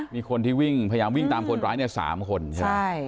มีคนที่วิ่งพยายามวิ่งตามคนร้ายเนี่ย๓คนใช่ไหม